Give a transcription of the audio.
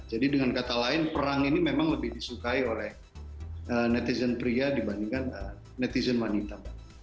jadi dengan kata lain perang ini memang lebih disukai oleh netizen pria dibandingkan netizen wanita mbak